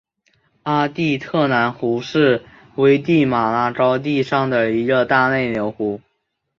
阿蒂特兰湖是危地马拉高地上的一个大内流湖。